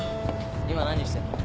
今何してんの？